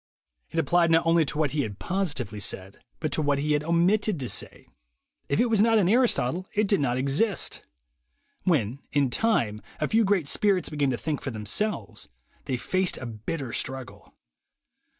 It applied not only to what he had positively said, but to what he had omitted to say. If it was not in Aristotle, it did not exist. When, in time, a few great spirits began to think for them selves, they faced a bitter struggle.